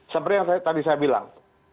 seperti yang tadi saya bilang